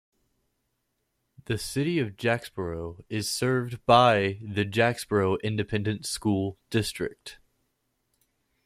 The City of Jacksboro is served by the Jacksboro Independent School District.